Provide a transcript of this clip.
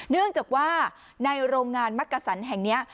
เนื่องจากว่าในโรงงานมักกะสันแห่งนี้